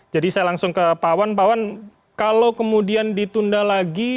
jadi saya langsung ke pak awan pak awan kalau kemudian ditunda lagi